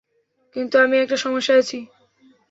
কিন্তু আমি একটা সমস্যায় আছি।